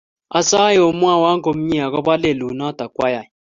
Asae omwawoo komnyei agoba lelut noto kwayai